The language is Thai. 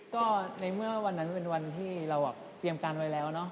ก็ในเมื่อวันนั้นเป็นวันที่เราเตรียมการไว้แล้วเนาะ